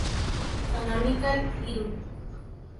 Canonical Ltd.